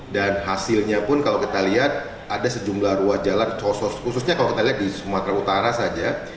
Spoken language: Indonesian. dan hasilnya pun kalau kita lihat ada sejumlah ruas jalan khususnya kalau kita lihat di sumatera utara saja